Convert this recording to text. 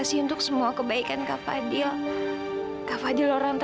semua perhatian dan kebenaran